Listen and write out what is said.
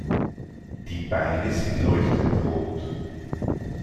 Die Beine sind leuchtend rot.